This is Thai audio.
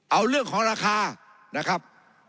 เอาเรื่องของราคานะครับ